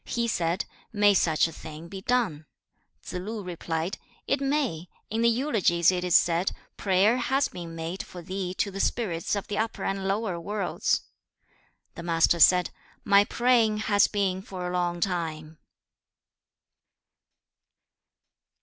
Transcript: He said, 'May such a thing be done?' Tsze lu replied, 'It may. In the Eulogies it is said, "Prayer has been made for thee to the spirits of the upper and lower worlds."' The Master said, 'My praying has been for a long time.'